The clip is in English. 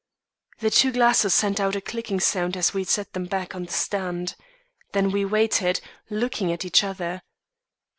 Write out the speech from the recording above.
"The two glasses sent out a clicking sound as we set them back on the stand. Then we waited, looking at each other.